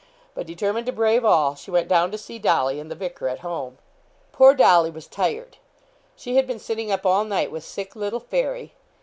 But, determined to brave all, she went down to see Dolly and the vicar at home. Poor Dolly was tired; she had been sitting up all night with sick little Fairy.